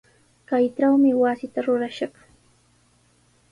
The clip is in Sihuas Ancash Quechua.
Kaytrawmi wasita rurashaq.